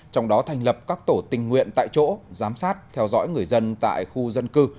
trong đó thành lập các tổ tình nguyện tại chỗ giám sát theo dõi người dân tại khu dân cư